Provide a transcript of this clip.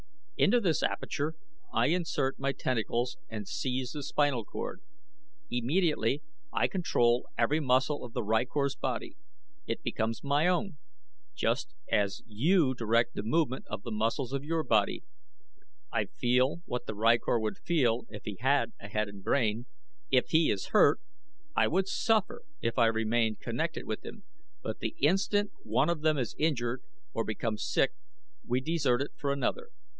Into this aperture I insert my tentacles and seize the spinal cord. Immediately I control every muscle of the rykor's body it becomes my own, just as you direct the movement of the muscles of your body. I feel what the rykor would feel if he had a head and brain. If he is hurt, I would suffer if I remained connected with him; but the instant one of them is injured or becomes sick we desert it for another.